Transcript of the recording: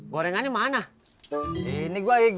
gorengannya mana ini gua igoreng